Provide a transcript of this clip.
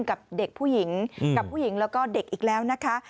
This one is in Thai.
กับเด็กผู้หญิงกับผู้หญิงแล้วก็เด็กอีกแล้วนะคะ